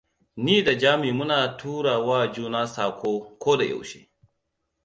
Ni da Jami muna tura wa juna sako ko da yaushe.